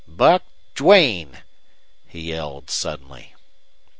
"BUCK DUANE!" he yelled, suddenly.